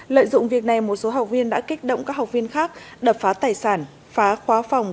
lợi dụng việc này một số học viên đã kích động các học viên khác đập phá tài sản phá khóa phòng